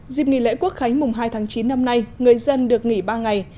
dịp nghỉ lễ quốc khánh mùng hai tháng chín năm nay người dân được nghỉ ba ngày